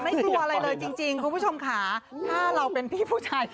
อีนไม่กลัวเหรอลูก